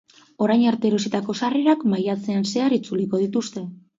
Orain arte erositako sarrerak maiatzean zehar itzuliko dituzte.